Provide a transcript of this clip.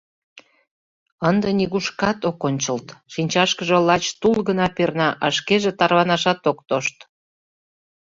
Ынде нигушкат ок ончылт, шинчашкыже лач тул гына перна, а шкеже тарванашат ок тошт.